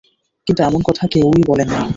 কিন্তু এমন কথা কেউই বলেননি।